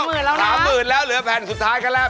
๓หมื่นแล้วสิแล้วเหลือแผ่นสุดท้ายก็แล้ว